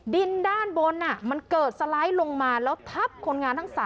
ดินด้านบนมันเกิดสไลด์ลงมาแล้วทับคนงานทั้ง๓